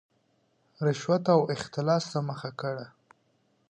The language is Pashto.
رشوت او اختلاس ته مخه کړه.